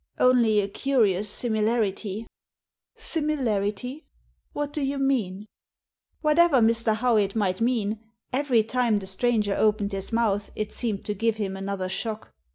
Only a curious similarity." I " Similarity ? What do you mean ?" Whatever Mr. Howitt might mean, every time the stranger opened his mouth it seemed to give him another shock.